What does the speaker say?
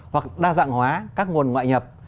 hoặc đa dạng hóa các nguồn ngoại nhập